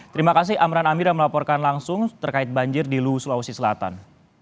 terima kasih amran amira melaporkan langsung terkait banjir di luwu sulawesi selatan